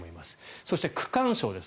そして区間賞です。